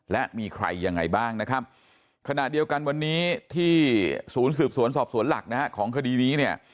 และมีใครยังไงบ้างนะครับขณะเดียวกันวันนี้ที่ศูนย์สืบสวนสอบสวนหลักนะฮะของคดีนี้เนี่ย